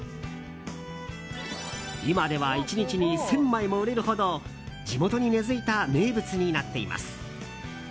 今では１日に１０００枚も売れるほど地元に根付いた名物になっています。